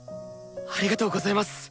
ありがとうございます！